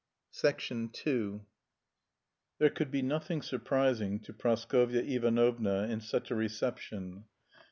II There could be nothing surprising to Praskovya Ivanovna in such a reception.